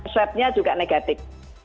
sweb nya juga negatif